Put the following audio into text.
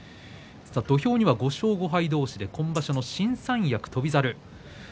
土俵には５勝５敗同士で今場所の新三役の翔猿。